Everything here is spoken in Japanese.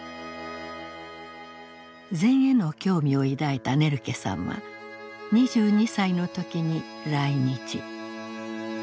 禅への興味を抱いたネルケさんは２２歳の時に来日。